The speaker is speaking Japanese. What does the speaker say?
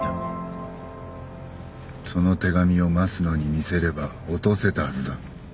その手紙を益野に見せれば落とせたはずだ。